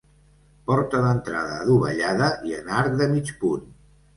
Porta d'entrada adovellada i en arc de mig punt.